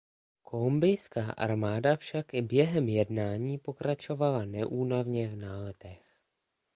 Kolumbijská armáda však i během jednání pokračovala neúnavně v náletech.